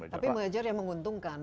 tapi merger yang menguntungkan